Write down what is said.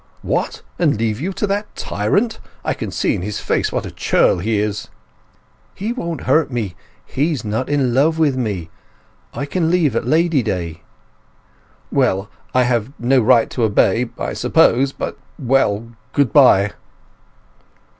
"What! And leave you to that tyrant? I can see in his face what a churl he is." "He won't hurt me. He's not in love with me. I can leave at Lady Day." "Well, I have no right but to obey, I suppose. But—well, goodbye!"